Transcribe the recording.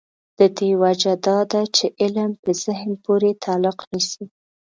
د دې وجه دا ده چې علم په ذهن پورې تعلق نیسي.